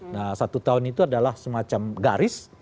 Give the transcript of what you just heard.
nah satu tahun itu adalah semacam garis